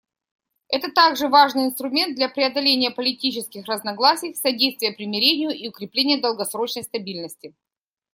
Это также важный инструмент для преодоления политических разногласий, содействия примирению и укрепления долгосрочной стабильности.